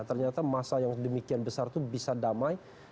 ternyata massa yang demikian besar itu bisa damai